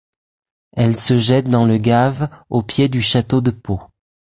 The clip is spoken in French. Elle se jette dans le gave au pied du château de Pau.